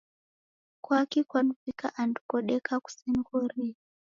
Kwaki kwaniw'ika andu kodeka kusenighorie?